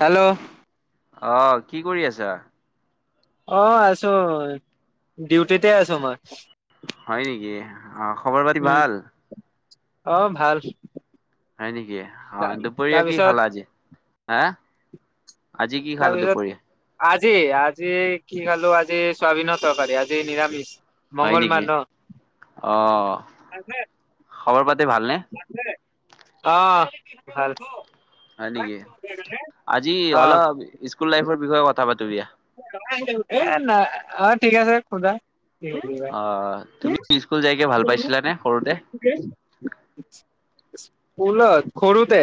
Hello. অ', কি কৰি আছা? অ', আছো, ডিউটিতে আছোঁ মই। হয় নেকি? অ' খবৰ পাতি উম ভাল? অ', ভাল। হয় নেকি অ' দুপৰীয়া কি তাৰপিছত খালা আজি? হা, আজি কি খালা তাৰপিছত দুপৰীয়া? আজি আজি কি খালো আজি চয়াবিনৰ তৰকাৰী আজি নিৰামিষ। হয় নেকি মংগলবাৰ ন অ' খবৰ পাতি ভালনে? অ', ভাল। হয় নেকি আজি অ অলপ স্কুল লাইফৰ বিষয়ে কথা পাতো দিয়া। এ নাই অ' ঠিক আছে সুধা। অ', তুমি স্কুল যায়কে ভাল পাইছিলানে সৰুতে? [unintelligible] সৰুতে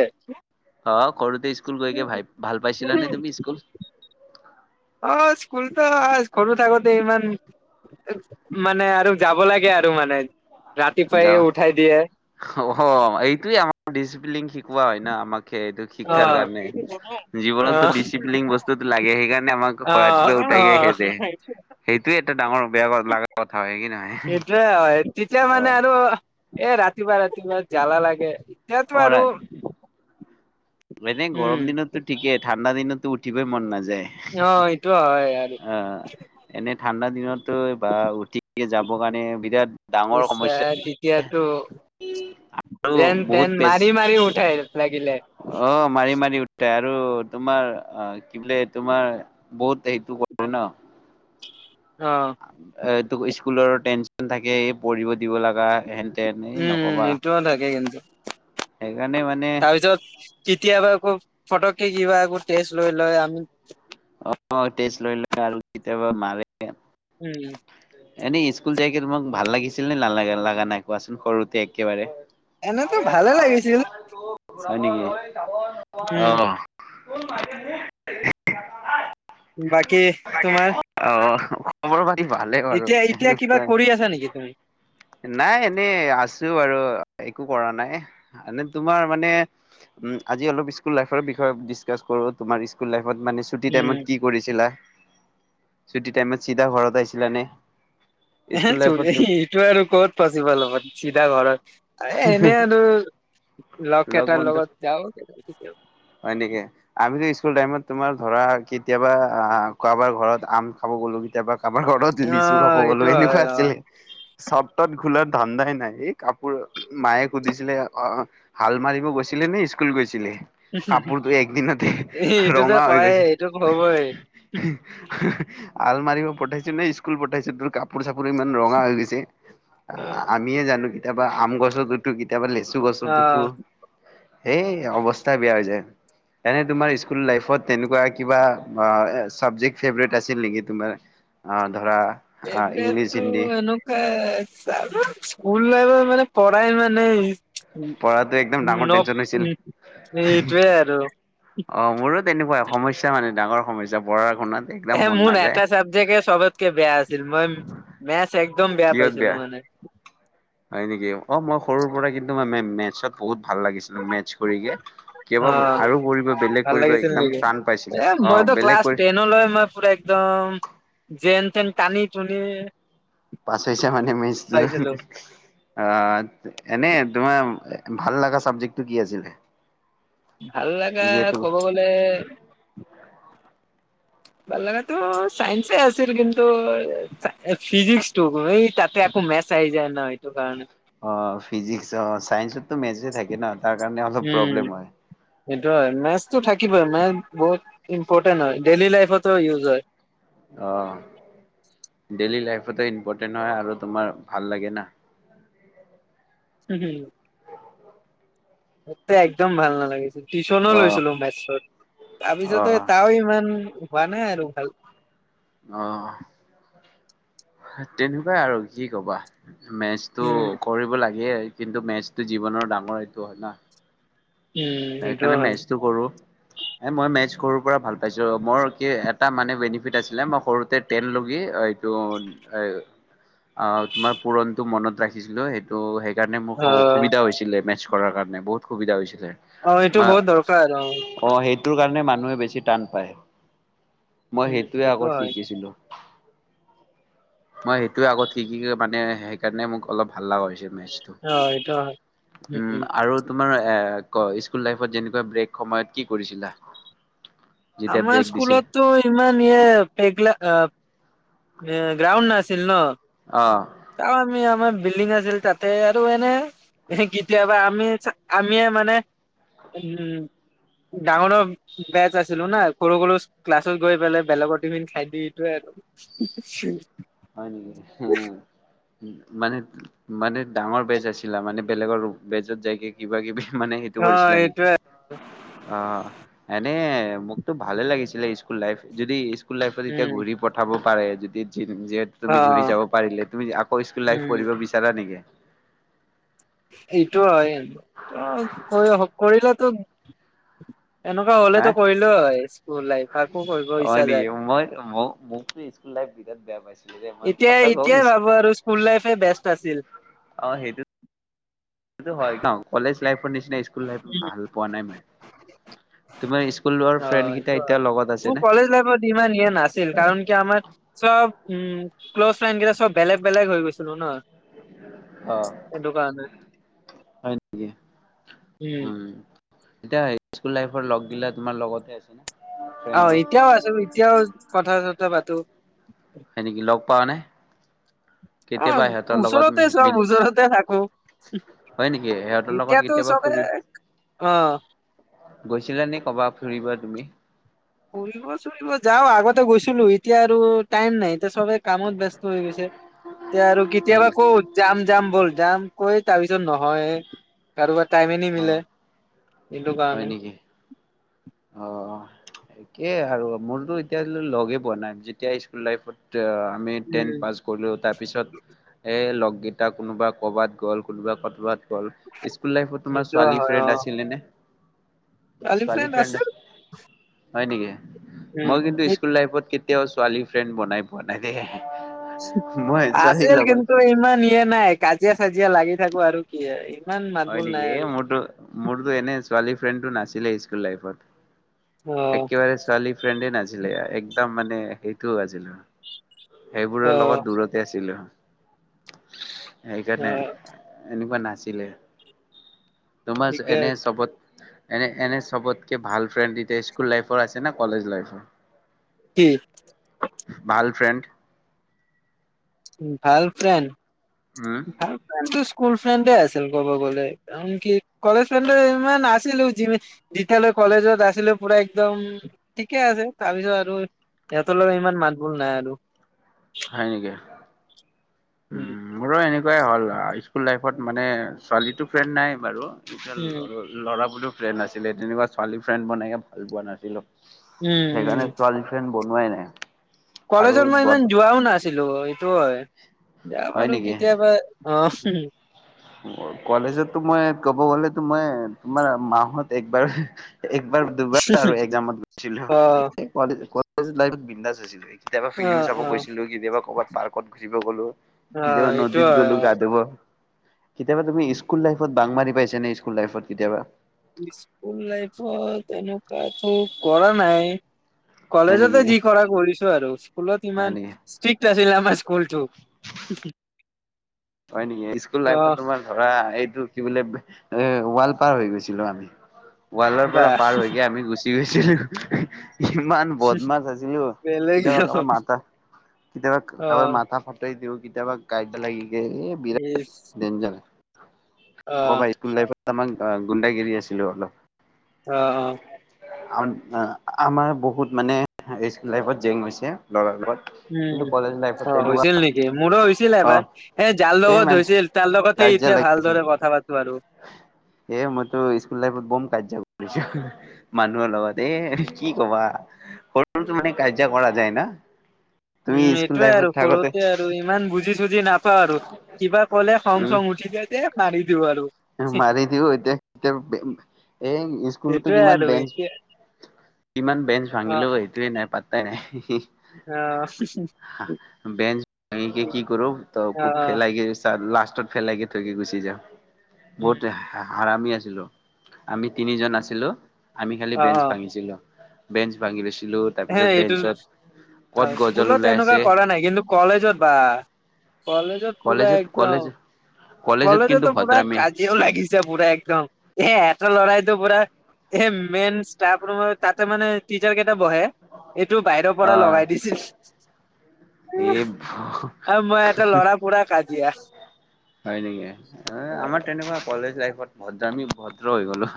অ', সৰুতে স্কুল গৈকে ভাই ভাল পাইছিলানে তুমি স্কুল? অ', স্কুলতো সৰু থাকোতে ইমান মানে আৰু যাব লাগে আৰু মানে ৰাতিপুৱাই যাৱা উঠাই দিয়ে। অ', এইটোয়ে আমাৰ ডিচিপ্লিন শিকোৱা হয় ন আমাকে এইটো অ শিক্ষাৰ কাৰণে অ জীৱনতো ডিচিপ্লিন বস্তুতটো লাগে। সেইকাৰণে আমাক অ খৰা চপে অ উঠাই গে সেহেঁতে। সেইটো এটা ডাঙৰ বেয়া লগা কথা হয় কি নহয়। সেইটোয়ে হয় তেতিয়া অ মানে আৰু এ ৰাতিপুৱা ৰাতিপুৱা জ্বালা লাগে এতিয়াতো অ আৰু এনে গৰম উম দিনতো ঠিকেই ঠাণ্ডা দিনতো উঠিবই মন নাযায়। অ', এইটো হয় আৰু। অ এনে ঠাণ্ডা দিনতো বা উঠি যাবৰ কাৰণে বিৰাট ডাঙৰ সমস্যা এতিয়াতো আৰু যেন বহুত তেন পেচ মাৰি মাৰি উঠাই লাগিলে। অ', মাৰি মাৰি উঠে আৰু তোমাৰ অ' কি বোলে তোমাৰ বহুত সেইটো কৰে ন। অ'। এ তোক স্কুলৰ টেনশ্যন থাকে পঢ়িব দিব লগা হেন তেন এই উম, উম, নকবা এইটোও থাকে কিন্তু। সেইকাৰণে মানে তাৰপিছত কেতিয়াবা আকৌ ফটকে কিবা আকৌ একো টেষ্ট লৈ লয় আমি অ', টেষ্ট লৈ লয় আৰু কেতিয়াবা মাৰে। উম। এনেই স্কুল যায় মোক ভাল লাগিছিল নে নালাগা লগা নাই কোৱাচোন সৰুতে একেবাৰে? এনেতো ভালে [unintelligible] লাগিছিল হয় নেকি উম অ'। [inaudible] বাকী তোমাৰ? আহ খবৰ পাতি ভালে বাৰু এতিয়া এতিয়া কিবা এনেকুৱাই। কৰি আছা নেকি তুমি নাই এনেই আছো আৰু একো কৰা নাই মানে তোমাৰ মানে উম, আজি অলপ স্কুল লৰ বিষয়ে কৰো তোমাৰ লাইফত মানে চুটি উম টাইমত কি কৰিছিলা চুটি টাইমত চিধা ঘৰত আহছিলানে? [unintelligible] ইটো আৰু ক'ত পচিবল হ'ব চিধা ঘৰত। এ এনেই আৰু লগ কেইটাৰ লগত যাওঁ। হয় নকি? আমি যে স্কুল টাইমত তোমাৰ ধৰা কেতিয়াবা আ-কাৰবাৰ ঘৰত আম খাব গ'লো, কেতিয়াবা কাৰোবাৰ ঘৰত অ লিচু খাব গ'লো এইটো হয় এনেকুৱা অ আছিলে, [unintelligible] ধান্দাই নাই, এই কাপ পোৰ, মায়ে সুধিছিলে, অ'-হাল মাৰিব গৈছিলে নে স্কুল গৈছিলে? কাপোৰটো একদিনতে এইটোতো ৰঙা হৈ কয় গৈছিল। এইটো হ'বই হাল মাৰিব পঠাইছোঁ ন স্কুল পঠাইছোঁ তোৰ কাপ কাপোৰ-চাপোৰ ইমান ৰঙা হৈ গৈছে, আমিহে জানো কেতিয়াবা আম গছত উঠোঁ, কেতিয়াবা লেচু চু অ গছত উঠোঁ, এই অৱস্থা বেয়া হৈ যায়। এনেই তোমাৰ স্কুল লাইফত তেনেকুৱা কিবা আ-চাবজেক্ট ফেভৰেট আছিল নেকি তোমাৰ? অ', ধৰা, অ' ইংলিছ, হিন্দী এ শ্চালা, স্কুল লাইফত মানে পঢ়াই মানে উম, পঢ়াটো একদম ডাঙৰ নপ, টেনচন হৈছিল। উম, এইটোৱেই আৰু অ', মোৰো তেনেকুৱাই, সমস্যা মানে ডাঙৰ সমস্যা পঢ়া-শুনাত। এ মোৰ এটা চাবজেক্টে চবতকে বেয়া আছিল, মই মেথছ একদম বেয়া পাইছিলোঁ মানে। হয় নেকি, অ' মই সৰুৰ পৰা কিন্তু মে-মেথছত বহুত ভাল লাগিছিল মেথছ কৰিকে কি হ'ব, অ আৰু কৰিব, বেলেগ ভাল কৰিব লাগিছিল একদম টান পাইছে সিহঁতি, অ', বেলেগ কৰি নলৈ মই পুৰা একদম, যেন তেন টানি টুনি পাছ হৈছা মানে পাইছিলো [unintelligible] অ', এনেই তোমাৰ ভাল লগা চাবজেক্টটো কি আছিলে? ভাল লগা যিহেতু ক'ব গ'লে ভাল লগাটো সাইন্সে আছিল, কিন্তু ফিজিক্সটো, এই তাতে আকৌ মেথছ আহি যায় ন, সেইটোকাৰণে অ', ফিজিক্স অ', চাইন্সততো মেথছে থাকে ন, তাৰ কাৰণে অলপ উম। প্ৰব্লেম হয়। সেইটো হয়, মেথছতো থাকিবই, মেথছ বহুত ইম্পৰ্টেণ্ট হয়, ডেইলি লাইফতো ইউজ হয়। অ', ডেইলি লাইফতো ইম্পৰ্টেণ্ট হয় আৰু তোমাৰ ভাল লাগে না। হু-হুম সেইটো একদম ভাল নালাগিছিল। টিউচনো অ' লৈছিলোঁ মেথছত, তাৰপিছতো অ' তেও ইমান হোৱা নাই আৰু ভাল। অ', তেনেকুৱাই আৰু কি ক'বা, মেথছ উম। কৰিব লাগে, কিন্তু মেথছটো জীৱনৰ ডাঙৰ এইটো হয় ন। উম সেইটো সেইকাৰণে হয় মেথচটো কৰোঁ। এ মই মেথছ সৰুৰ পৰা ভাল পাইছিলোঁ, মোৰ কি এটা মানে বেনিফিট আছিলে, মই সৰুতে টেন লৈকে ত', এ-অ', তোমাৰ পুৰণটো মনত ৰাখিছিলোঁ, সেইটো ত' সেইকাৰণে মোক অ। অসুবিধা হৈছিলে মেথছ কৰাৰ কাৰণে, বহুত সুবিধা হৈছিলে। অ', এইটো বহুত দৰকাৰ অ'। অ', সেইটোৰ কাৰণে মানুহে বেছি টান পায়, মই উম সেইটোৱে সেইটো আগত হয় শিকিছিলোঁ। মই সেইটোৱে আগত শিকি-মানে সেইকাৰণে মোক অলপ ভাল লগা হৈছিল মেথচ। অ এইটো হয় উম উম, উম আৰু তোমাৰ এ ক-স্কুল লাইফত যেনেকুৱা ব্ৰেক সময়ত কি কৰিছিলা? যেতিয়া আমাৰ ব্ৰেক দিছিল স্কুলততো ইমান ইয়ে [unintelligible] গ্ৰাউণ্ড নাছিল ন। অ'। তেও আমি আমাৰ বিল্ডিং আছিল, তাতে আৰু এনে কেতিয়াবা আমি-আমিয়ে মানে উম, ডাঙৰ ডাঙৰ বেচ আছে। ছিলো না সৰু সৰু ক্লাছত গৈ পেলাই বেলেগৰ টিফিন খাই দি থৈ আহো। হয় নেকি, উম, মানে, মানে ডাঙৰ বেজ আছিলা, মানে বেলেগৰ বেজত যাইগে কিবা কিবি, মানে অ সেইটো কৰিছিলা নেকি? এইটোয়ে অ, এনে মোকতো ভালে লাগিছিলে, স্কুল লাইফ যদি, স্কুল লাইফত এতিয়া উম ঘূৰি পঠাব পাৰে যদি যেদ অ তুমি ঘূৰি যাব পাৰিলে তুমি আকৌ স্কুল লাইফ উম পঢ়িব বিচাৰা নেকি? এইটো হয়, ত কৰিলে তো, এনেকুৱা হা হলেতো কৰিলো হয় স্কুল লাইফ আকৌ কৰিব হয় ইচ্ছা নেকি যায়। মই মোকতো লাইফ বিৰাট বেয়া পাইছিলো যে, মই সঁচা এতিয়াই, কওঁ এতিয়াই ভাবো আৰু স্কুল লাইফে বেষ্ট আছিল। অ সেইটো, কলেজ লাইফৰ নিচিনা স্কুল লাইফ উম। ভাল পোৱা নাই মই। তোমাৰ স্কুলৰ ফ্ৰেণ্ড কেইটা এতিয়া হয়, লগত আছে মোৰ নে? কলেজ লাইফত ইমান দিয়াৰ নাছিল কাৰণ কি আমাৰ চব উম ক্ল'জ ফ্ৰেণ্ড কেইটা চব বেলেগ বেলেগ হৈ গৈছিলো ন। অ হেটো কাৰনে হয় নেকি উম, তেতিয়া স্কুল লাইফৰ লগ দিলা তোমাৰ লগতে আছে ন। অ, ফ্ৰেণ্ডবোৰ তিয়াও আছো এতিয়াও কথা চথা পাতো। হয়' নেকি, লগ পাঅ নে? কেতিয়াবা অ', সিহঁতৰ লগত ওচৰতে চব মিলি ওচৰতে থাকোঁ। হয় নেকি সিহঁতৰ লগত এতিয়াটো কেতিয়াবা চবেই ফুৰি এক অ, গৈছিলা নে, ক'ৰবাত ফুৰিব তুমি? ফুৰিব- চুৰিব যাওঁ আগতে গৈছিলো, এতিয়া আৰু টাইম নাই এতিয়া চবে কামত ব্যস্ত, হৈ গৈছে। এতিয়া আৰু হয় কেতিয়াবা নেকি? কওঁ যাম যাম বল যাম কৈ তাৰ পিছত নহয়ে কাৰোবাৰ টাইমে নিমিলে অ' হেইটো হয় কাৰণে, নেকি? অ' একেই আৰু মোৰটো এতিয়া লৈ লগেই পোৱা নাই। যেতিয়া স্কুল লাইফত যেতিয়া আমি টেন উম, পাছ কৰিলোঁ তাৰপিছত, এই লগকেইটা কোনোবা ক'ৰবাত গ'ল কোনোবা ক'ৰবাত গ'ল। স্কুল লাইফত তোমাৰ সেইটো ছোৱালী হয় ফ্ৰেড অ'। আছিলে নে? ছোৱালী ফ্ৰেণ্ড আছিল। হয় নেকি? উম, মই কিন্তু স্কুল লাইফত কেতিয়াও ছোৱালী ফ্ৰেণ্ড বনাই পোৱা নাই দেই। মই ছোৱালীৰ আছিল লগত কিন্তু ইমান ইয়ে নাই, কাজিয়া- চাজিয়া লাগি থাকোঁ আৰু কি আৰু ইমান মাত বোল নাই আৰু, মোৰটো এনে ছোৱালী ফ্ৰেণ্ডটো নাছিলে স্কুল লাইফত অ', একেবাৰে ছোৱালী ফ্ৰেণ্ডে নাছিলে একদম মানে সেইটোও আছিল। সেইবোৰৰ লগত অ', দূৰত তে আছিলো। সেইকাৰণে, অ', এনেকুৱা নাছিলে। তোমাৰ [inaudible] ঠিকে এনে আছে। চবত এনে, এনে চবতকৈ ভাল ফ্ৰেণ্ড এতিয়া স্কুল লাইফৰ আছে না কলেজ লাইফৰ। কি? ভাল ফ্ৰেণ্ড, ভাল ফ্ৰেণ্ড? উম' সেইটো স্কুল ফ্ৰেণ্ডে আছিল ক'ব গ'লে। [unintelligible] কলেজ ফ্ৰেণ্ডটো ইমান আছিলো যিমা যেতিয়ালৈ কলেজত আছিলো পুৰা একদম ঠিকে আছে, তাৰপিছত আৰু সিহঁতৰ লগত ইমান মাত বোল নাই আৰু। হয় নেকি? উম। মোৰো এনেকুৱাই হ'ল, স্কুল লাইফত মানে ছোৱালীটো ফ্ৰেণ্ড নাই বাৰু। উম। [unintelligible] ল'ৰাবোৰো ফ্ৰেণ্ড আছিলে তেনেকুৱা ছোৱালী ফ্ৰেণ্ড বনাইয়ে ভাল পোৱা নাছিলোঁ। উম, সেইকাণে উম, ছোৱালী ফ্ৰেণ্ড বনোৱাই নাই। আৰু কলেজত মই ইমান বৰ্ত যোৱাও নাছিলোঁ সেইটো হয়। যাওঁ হয় আৰু নেকি? কেতিয়াবা। অ'। মোৰ কলেজতটো মই ক'ব গলেতো মই তোমাৰ মাহত একবাৰ একবাৰ দুবাৰ আৰু একজামত গৈছিলো অ', কলেজ কলেজ লাইফত বিন্দাজ হৈছিল। কেতিয়াবা ফিল্ম অ', চাব অ', গৈছিলো, কেতিয়াবা ক'ৰবাত পাৰ্কত ঘূৰিব গ'লো। অ', কেতিয়াবা এইটো নদীত হয় গ'লো অ'। গা-ধুব। কেতিয়াবা তুমি স্কুল লাইফত বাং মাৰি পাইছা নে? স্কুল লাইফত কেতিয়াবা। স্কুল লাইফত এনেকাটো কৰা নাই। হয় নেকি কলেজতে যি কৰা কৰিছোঁ আৰু। স্কুলত হয় ইমান নেকি ষ্টিক্ট আছিলে আমাৰ স্কুলটো। হয় নেকি? স্কুল লাইফত অ', তোমাৰ ধৰা এইটো কি বোলে, এ ৱাল পাৰ হৈ গৈছিলোঁ আমি। ৱালৰ পৰা বাহ পাৰ হৈ গে আমি গুচি গৈছিলোঁ। কিমান বদমাছ আছিলোঁ, বেলেগ কেতিয়াবা কাৰোবাৰ অ', মাথা, কেতিয়াবা কাৰোবাৰ মাথা ফুটাই দিওঁ, কেতিয়াবা কাইটা লাগি গে বিৰাট ইচ ডেঞ্জাৰ, কব অ', পাৰি স্কুল লাইফত। আমাক অ' গুণ্ডাগিৰি আছিলোঁ অলপ। অ', অ'। আমাৰ বহুত মানে স্কুল লাইফত জেং হৈছে, ল'ৰাৰ লগত। কিন্তু উম, কলেজ লাইফত অ' তেনেকুৱা হৈছিল নি? এ মোৰো হৈছিল অ এবাৰ, এ যাৰ এই লগত মানছ হৈছিল তাৰ লগতে কাজিয়া এতিয়া লাগিছিল ভালদৰে কথা পাতো আৰু। এ মইতো স্কুল লাইফত বম কাজিয়া কৰিছো। মানুহৰ লগত এ কি কবা সৰুতো মানে কাজিয়া কৰা যায় না। তুমি উম, স্কুল এইটোয়ে আৰু লাইফত থাকোতে সৰুতে আৰু ইমান বুজি চুজি নাপ পাও আৰু কিবা কলে উম খং-চং উঠি দিয়া যে মাৰি দিওঁ আৰু। মাৰি দিও এতিয়া এতিয়া এ স্কুলতটো সেইটোয়ে কিমান আৰু বেঞ্চ এতিয়া কিমান বেঞ্চ অ', ভাঙিলো, এইেটোৱে নাই পাত্তাই নাই। অ', বেঞ্চ ভাঙি অ', কি কৰোঁ, [unintelligible] অ', [unintelligible] লাষ্টত ফেলাইকে থৈ কে গুচি যাওঁ। উম। বহুত হৰামি আছিলো, আমি তিনিজন আছিলো। আমি খালি অ', বেঞ্চ অ', ভাঙিছিলো, বেঞ্চ ভাঙি লৈছিলো। হে এইটো অ' স্কুলত ওলাই এনেকুৱা আছে কৰা নাই। কিন্তু কলেজত বা কলেজত। পুৰা কলেজত একদম কলেজ কলেজত কিন্তু কলেজতো পুৰা ভদ্ৰামি কাজ সিও লাগিছে পুৰা একদম, এ এটাই লৰাইতো পুৰা এ মেইন ষ্টাফ ৰুমৰ তাতে মানে টিচাৰ কেইটা বহে। এইটো বাহিৰৰ পৰা অ', লগাই দিছিল। এই ব আৰু মই এটা ল'ৰা [unintelligible] পুৰা কাজিয়া। হয় নেকি, আমাৰ তেনেকুৱা কলেজ লাইফত ভদ্ৰ আমি ভদ্ৰ হৈ গলো।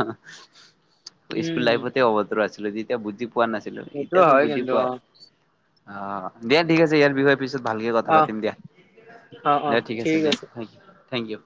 স্কুল উম। লাইফত অভদ্ৰ আছিলো তেতিয়া বুজি পোৱা নাছিলো। সেইটো এতিয়াতো হয় বুজি কিন্তু পাওঁ। অ', অঁ' দিয়া ঠিক আছে। ইয়াৰ বিষয়ে পিছত ভালকে কথা অ', পাতিম দিয়া, দে ঠিক আছে দিয়া। Thank you thank U.